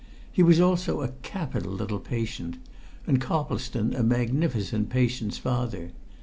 He was also a capital little patient and Coplestone was a magnificent patient's father.